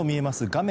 画面